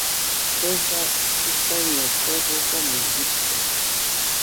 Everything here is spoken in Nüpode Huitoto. Diga ikaiño kue jofomo bite